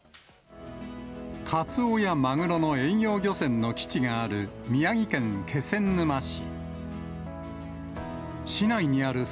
カツオやマグロの遠洋漁船の基地がある、宮城県気仙沼市。